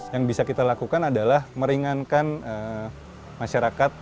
yang bisa kita lakukan adalah meringankan masyarakat